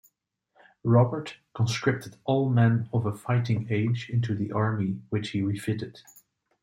Robert conscripted all men of a fighting age into the army, which he refitted.